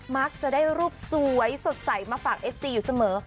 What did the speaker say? มักจะได้รูปสวยสดใสมาฝากเอฟซีอยู่เสมอ